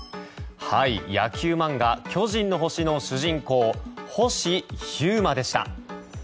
野球漫画「巨人の星」の主人公星飛雄馬でした。